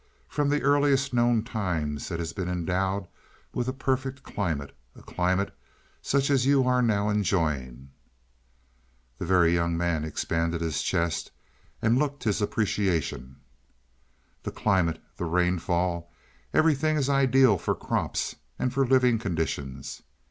From the earliest known times it has been endowed with a perfect climate a climate such as you are now enjoying." The Very Young Man expanded his chest and looked his appreciation. "The climate, the rainfall, everything is ideal for crops and for living conditions.